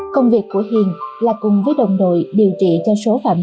công việc của hiền là cùng với đồng đội điều trị cho số phạm